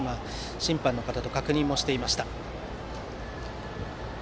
審判の方と確認もしていました。